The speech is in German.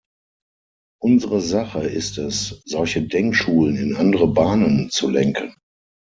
Unsere Sache ist es, solche Denkschulen in andere Bahnen zu lenken.